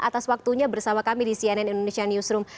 atas waktunya bersama kami di cnn indonesia newsroom